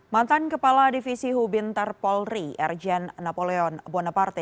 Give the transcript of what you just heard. mantan kepala divisi hubin tarpolri erjen napoleon boneparte